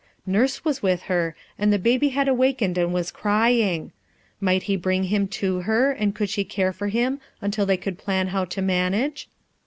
Nurse was with her, a i the baby had awakened and was crying, w . he bring him to her, and could she care for hi until they could plan how to manage?